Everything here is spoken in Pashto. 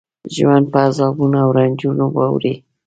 ژوند په عذابونو او رنځونو واړوي.